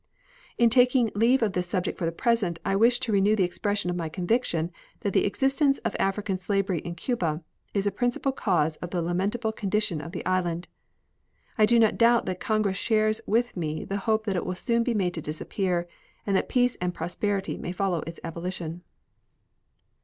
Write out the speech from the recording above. In taking leave of this subject for the present I wish to renew the expression of my conviction that the existence of African slavery in Cuba is a principal cause of the lamentable condition of the island. I do not doubt that Congress shares with me the hope that it will soon be made to disappear, and that peace and prosperity may follow its abolition.